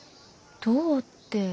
どうって。